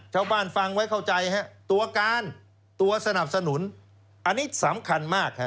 ฟังไว้เข้าใจฮะตัวการตัวสนับสนุนอันนี้สำคัญมากฮะ